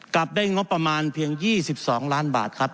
กลับได้งบประมาณเพียง๒๒ล้านบาทครับ